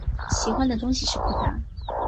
喜欢的东西是葡萄。